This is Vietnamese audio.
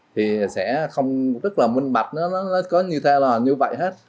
thì sẽ không rất là minh bạch nó nó có như thế là như vậy hết